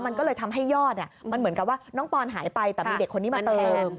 มันก็เลยทำให้ยอดมันเหมือนกับว่าน้องปอนหายไปแต่มีเด็กคนนี้มาเติม